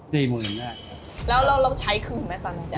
สี่หมื่นแหละครับแล้วเราใช้คืนไหมตอนนี้จ้ะ